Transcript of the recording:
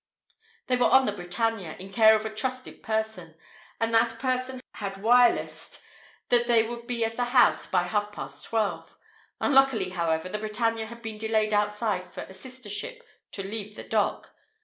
They were on the Britannia, in care of a trusted person; and that person had "wirelessed" that he would be at the house by half past twelve. Unluckily, however, the Britannia had been delayed outside for a sister ship to leave the dock.